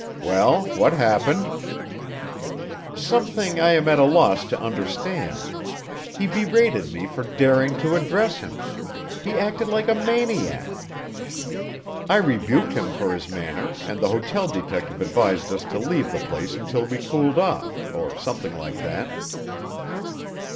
"Well, what happened?" "Something I am at a loss to understand. He berated me for daring to address him. He acted like a maniac. I rebuked him for his manner, and the hotel detective advised us to leave the place until we cooled off, or something like that."